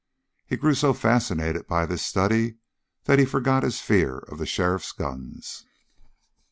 He grew so fascinated by this study that he forgot his fear of the sheriff's guns.